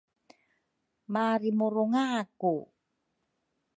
marimurungaku.